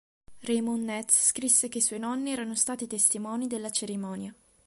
Raymond Nez scrisse che i suoi nonni erano stati testimoni della cerimonia.